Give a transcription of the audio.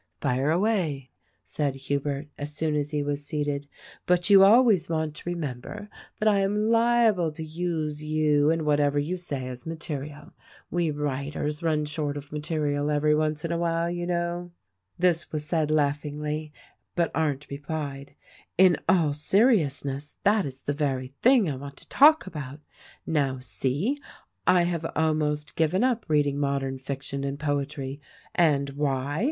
"Fire away!" said Hubert, as soon as he was seated; "but you always want to remember that I am liable to use you and whatever you say as material. We writers run short of material every once in a while, you know." This was said laughingly, but Arndt replied, "In all THE RECORDING ANGEL 245 seriousness, that is the very thing I want to talk about. Now see ! I have almost given up reading modern fiction and poetry. And why?